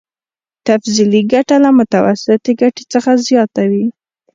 تفضيلي ګټه له متوسطې ګټې څخه زیاته وي